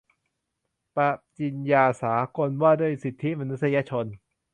ปฏิญญาสากลว่าด้วยสิทธิมนุษยชน